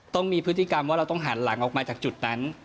ต้องมีพฤติกรรมว่าเราต้องหันหลังออกมาจากจุดนั้น